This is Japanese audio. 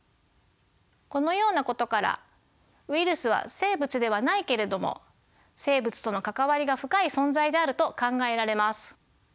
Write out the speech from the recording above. このようなことからウイルスは生物ではないけれども生物との関わりが深い存在であると考えられます。